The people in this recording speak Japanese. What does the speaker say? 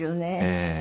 ええ。